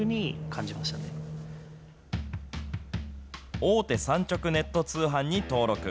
大手産直ネット通販に登録。